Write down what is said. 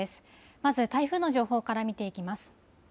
まず台風の情報から見ていきます。